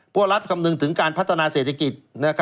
พวกรัฐคำนึงถึงการพัฒนาเศรษฐกิจ